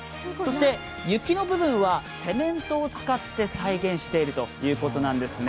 雪の部分はセメントを使って再現しているということなんですね。